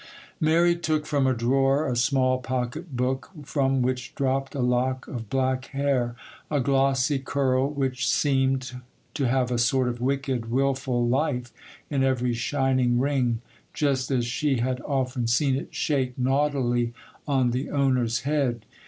Mary took from a drawer a small pocket book, from which dropped a lock of black hair,—a glossy curl, which seemed to have a sort of wicked, wilful life in every shining ring, just as she had often seen it shake naughtily on the owner's head.